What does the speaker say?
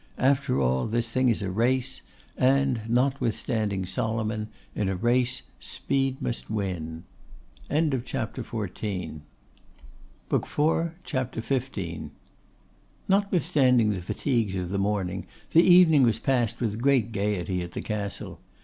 After all, this thing is a race; and, notwithstanding Solomon, in a race speed must win.' CHAPTER XV. Notwithstanding the fatigues of the morning, the evening was passed with great gaiety at the Castle.